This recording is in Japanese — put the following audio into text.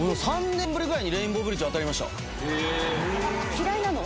嫌いなの？